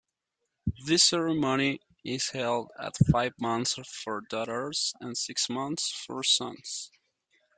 This ceremony is held at five months for daughters, and six months for sons.